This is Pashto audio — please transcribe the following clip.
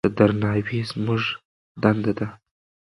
د ده درناوی زموږ دنده ده.